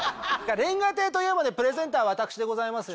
煉瓦亭といえばプレゼンターは私でございます。